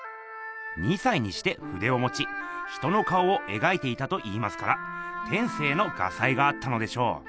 ２歳にしてふでをもち人の顔を描いていたといいますから天せいの画才があったのでしょう。